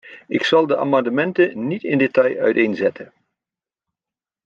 Ik zal de amendementen niet in detail uiteenzetten.